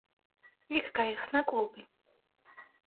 იქ გაიხსნა კლუბი.